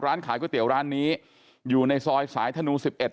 ร้านขายก๋วยเตี๋ยวร้านนี้อยู่ในซอยสายธนู๑๑